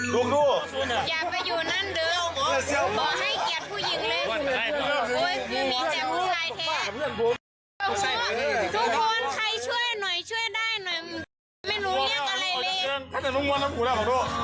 ทุกคนใครช่วยหน่อยช่วยได้หน่อยไม่รู้เรียกอะไรเลย